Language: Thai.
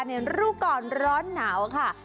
ในรู้ก่อนร้อนหนาวค่ะ